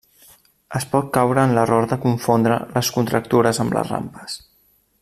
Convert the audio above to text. Es pot caure en l'error de confondre les contractures amb les rampes.